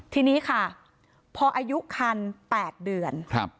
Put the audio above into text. ทีนี้ค่ะพออายุคัน๘เดือน